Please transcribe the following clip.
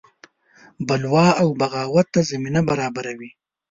بلوا او بغاوت ته زمینه برابروي.